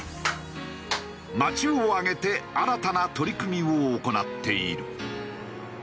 町を挙げて新たな取り組みを行っている。